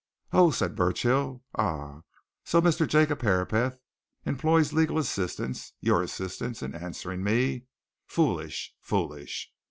"Oh!" said Burchill. "Ah! So Mr. Jacob Herapath employs legal assistance your assistance in answering me? Foolish foolish!